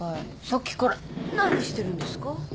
さっきから何してるんですか？